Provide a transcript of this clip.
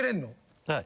・はい。